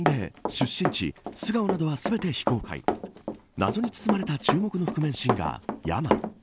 謎に包まれた注目の覆面シンガー、ｙａｍａ。